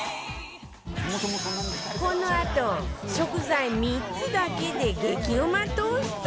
このあと食材３つだけで激うまトースト